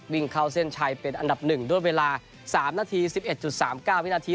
วิ่งเข้าเส้นชัยเป็นอันดับ๑ด้วยเวลา๓นาที๑๑๓๙วินาที